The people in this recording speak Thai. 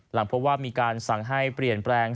พบว่ามีการสั่งให้เปลี่ยนแปลง